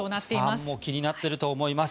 そこも、ファンも気になっていると思います。